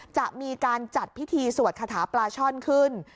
จะมีการจัดพิธีสวดคาถาปลาช่อนขึ้น